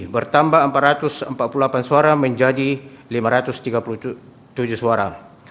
bertambah empat ratus empat puluh delapan suara menjadi lima ratus tiga puluh tujuh suara